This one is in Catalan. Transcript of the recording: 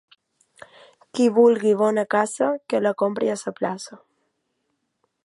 Qui vulgui bona caça, que la compri a la plaça.